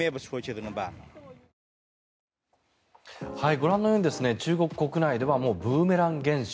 ご覧のように中国国内ではもうブーメラン現象